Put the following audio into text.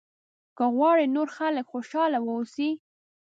که غواړې نور خلک خوشاله واوسي.